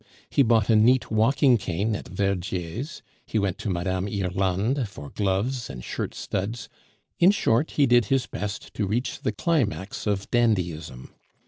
He bought a neat walking cane at Verdier's; he went to Mme. Irlande for gloves and shirt studs; in short, he did his best to reach the climax of dandyism.